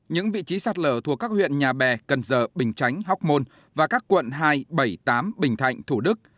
những vị trí sạt lở thuộc các huyện nhà bè cần giờ bình chánh hóc môn và các quận hai bảy tám bình thạnh thủ đức